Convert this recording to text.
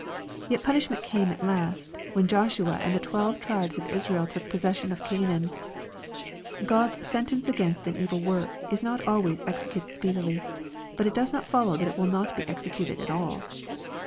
Yet punishment came at last, when Joshua and the twelve tribes of Israel took possession of Canaan« — God's *^ sentence against an evil work" is not always executed speedily, but it does not follow that it will not be executed at all.